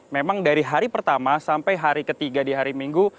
memang dari hari pertama sampai hari ketiga di hari minggu